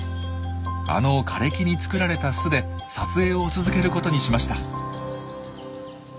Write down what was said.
あの枯れ木に作られた巣で撮影を続けることにしました。